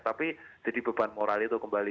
tapi jadi beban moral itu kembali